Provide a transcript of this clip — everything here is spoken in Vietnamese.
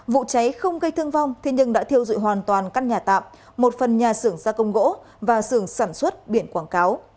vụ cháy không gây thương vong thế nhưng đã thiêu dụi hoàn toàn căn nhà tạm một phần nhà xưởng gia công gỗ và xưởng sản xuất biển quảng cáo